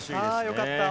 あよかった。